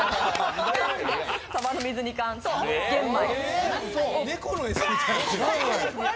サバの水煮缶と玄米。